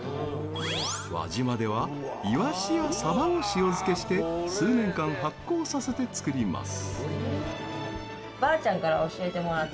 輪島ではイワシやサバを塩漬けして数年間発酵させて作ります。